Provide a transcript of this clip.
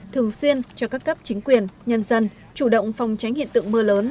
thường xuyên cho các cấp chính quyền nhân dân chủ động phòng tránh hiện tượng mưa lớn